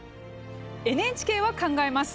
ＮＨＫは考えます。